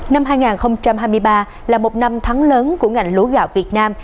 năm hai nghìn hai mươi ba là một năm thắng lớn của ngành lúa gạo việt nam